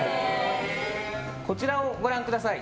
こちらをご覧ください。